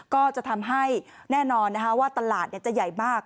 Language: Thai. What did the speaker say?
ก็จะทำให้แน่นอนว่าตลาดจะใหญ่มาก